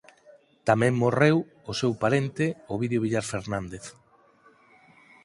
Tamén morreu o seu parente Ovidio Villar Fernández.